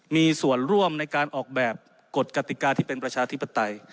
มีส่วนร่วมในการออกแบบกฎกติกาที่เป็นประชาธิปไตย